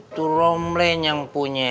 tu rombel yang punya